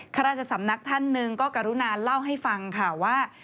ข้าราชสำนักท่านหนึ่งก็กรุณาเล่าให้ฟังค่ะว่า